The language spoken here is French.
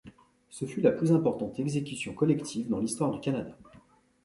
Ce fut la plus importante exécution collective dans l'histoire du Canada.